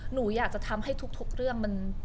หนูอยากจะทำให้ทุกเรื่องมัน